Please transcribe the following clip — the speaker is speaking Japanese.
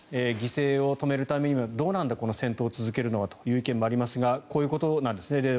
犠牲を止めるためにどうなんだこの戦闘を続けるのはという意見もありますがこういうことなんですね。